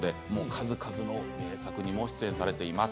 数々の名作にも出演されています。